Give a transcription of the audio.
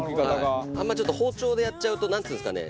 あんまりちょっと包丁でやっちゃうとなんていうんですかね